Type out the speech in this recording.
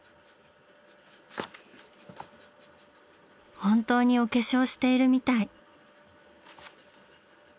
本当にお化粧しているみたい。